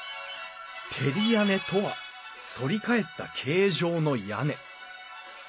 照り屋根とはそり返った形状の屋根。